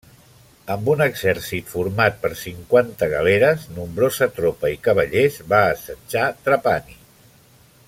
Amb un exèrcit format per cinquanta galeres, nombrosa tropa i cavallers, va assetjar Trapani.